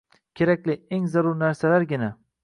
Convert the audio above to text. Kerakli, eng zarur narsalargina